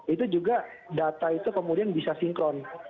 itu juga data itu kemudian bisa sinkron